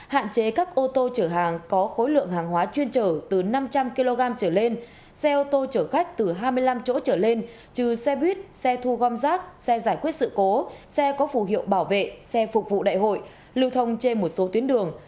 hạn chế các ô tô chở hàng có khối lượng hàng hóa chuyên trở từ năm trăm linh kg trở lên xe ô tô chở khách từ hai mươi năm chỗ trở lên trừ xe buýt xe thu gom rác xe giải quyết sự cố xe có phù hiệu bảo vệ xe phục vụ đại hội lưu thông trên một số tuyến đường